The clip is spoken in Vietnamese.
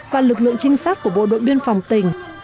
và lực lượng trinh sát của bộ đội biên phòng tỉnh